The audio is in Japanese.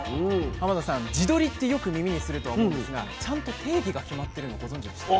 天野さん地鶏ってよく耳にするとは思うんですがちゃんと定義が決まってるのご存じでしたか？